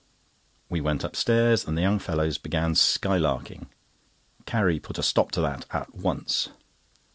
We went upstairs, and the young fellows began skylarking. Carrie put a stop to that at once.